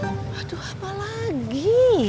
aduh apa lagi